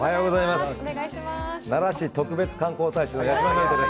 奈良市特別観光大使の八嶋智人です。